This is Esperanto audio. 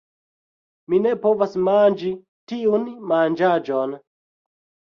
Mi ne povas manĝi tiun manĝaĵon.